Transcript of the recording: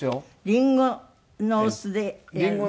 リンゴのお酢でやるの？